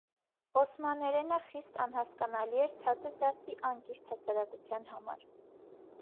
Օսմաներենը խիստ անհասկանալի էր ցածր դասի անկիրթ հասարակության համար։